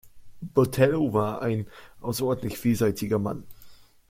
Botelho war ein außerordentlich vielseitiger Mann.